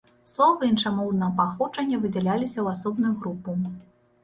Словы іншамоўнага паходжання выдзяляліся ў асобную групу.